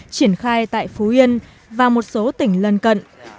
triển khai tại phú yên và một số tỉnh lân cận